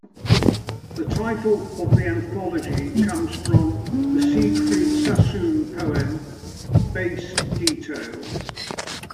The title of the anthology comes from the Siegfried Sassoon poem Base Details.